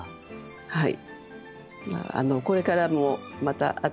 はい。